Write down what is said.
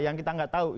yang kita nggak tahu